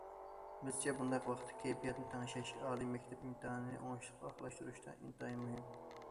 بىزچە، بۇنداق ۋاقىتتا، كەيپىياتنى تەڭشەش ئالىي مەكتەپ ئىمتىھانىنى ئوڭۇشلۇق ئاخىرلاشتۇرۇشتا ئىنتايىن مۇھىم.